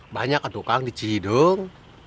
banyak atu kang di cihidung